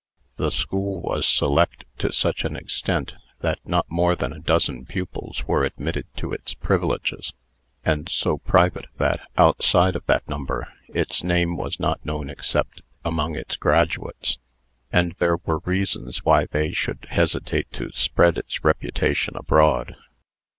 The school was select to such an extent, that not more than a dozen pupils were admitted to its privileges; and so private, that, outside of that number, its name was not known except among its graduates; and there were reasons why they should hesitate to spread its reputation abroad.